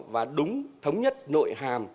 và đúng thống nhất nội hàm